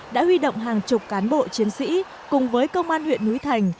đã huy động hàng chục cán bộ chiến sĩ cùng với công an huyện núi thành